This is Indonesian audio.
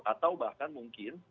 atau bahkan mungkin